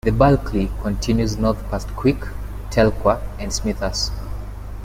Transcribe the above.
The Bulkley continues north past Quick, Telkwa and Smithers.